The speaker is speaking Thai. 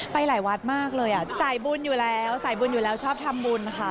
ไปหลายวัดมากเลยอ่ะสายบุญอยู่แล้วสายบุญอยู่แล้วชอบทำบุญค่ะ